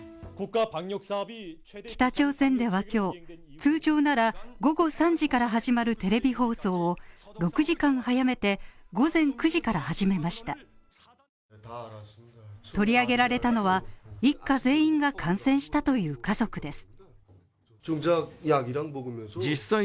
北朝鮮では今日、通常なら午後３時から始まるテレビ放送を６時間早めて午前９時から始めました取り上げられたのは、一家全員が感染したという家族です。